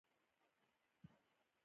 زه په ژوند کي هدف لرم.